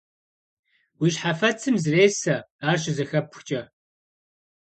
Уи щхьэфэцым зресэ, ар щызэхэпхкӀэ.